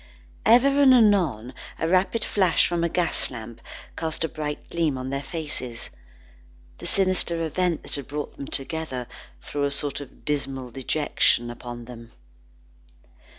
Ever and anon a rapid flash from a gas lamp, cast a bright gleam on their faces. The sinister event that had brought them together, threw a sort of dismal dejection upon them.